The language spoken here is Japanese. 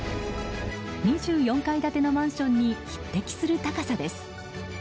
２４階建てのマンションに匹敵する高さです。